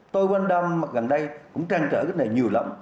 tôi quan tâm gần đây cũng trang trở cái này nhiều lắm